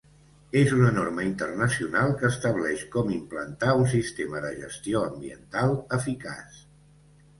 És una norma internacional que estableix com implantar un sistema de gestió ambiental eficaç.